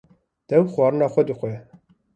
Dêw xwarina xwe dixwe